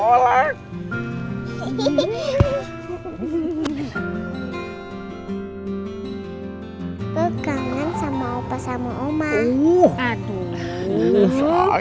oh rina udah mau sekolah